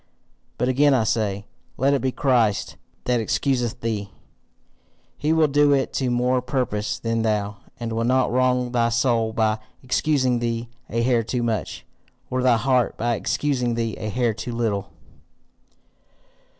But again I say, let it be Christ that excuseth thee; he will do it to more purpose than thou, and will not wrong thy soul by excusing thee a hair too much, or thy heart by excusing thee a hair too little.